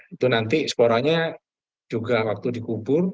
itu nanti sporanya juga waktu dikubur